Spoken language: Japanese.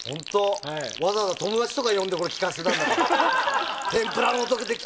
わざわざ友達とか呼んで聞かせてた。